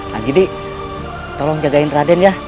nah jadi tolong jagain raden ya